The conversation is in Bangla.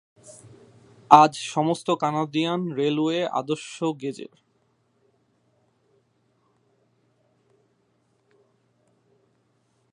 আজ সমস্ত কানাডিয়ান রেলওয়ে আদর্শ গেজের।